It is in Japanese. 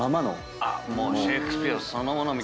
もうシェイクスピアそのものみたいな感じだ。